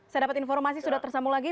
saya dapat informasi sudah tersambung lagi